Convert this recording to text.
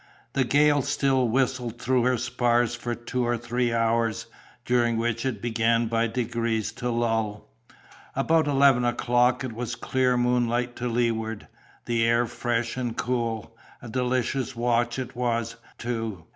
"The gale still whistled through her spars for two or three hours, during which it began by degrees to lull. About eleven o'clock it was clear moonlight to leeward, the air fresh and cool: a delicious watch it was, too.